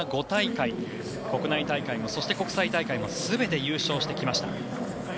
５大会国内大会そして国際大会も全て優勝してきました。